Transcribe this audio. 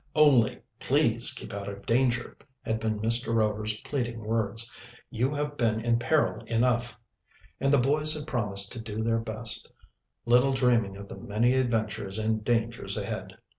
"Only please keep out of danger," had been Mr. Rover's pleading words. "You have been in peril enough." And the boys had promised to do their best, little dreaming of the many adventures and dangers ahead.